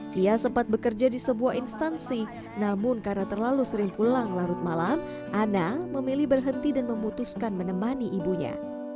dia sempat bekerja di sebuah instansi namun karena terlalu sering pulang larut malam ana memilih berhenti dan memutuskan menemani ibunya